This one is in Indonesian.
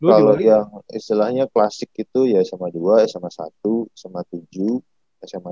kalo yang istilahnya klasik itu ya sma dua sma satu sma tujuh sma tiga